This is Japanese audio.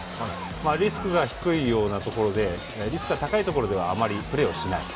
リスクが低いようなところでリスクが高いところではあまりプレーはしない。